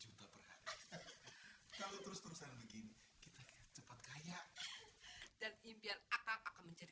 berharga terus terusan begini kita cepat kaya dan impian akan menjadi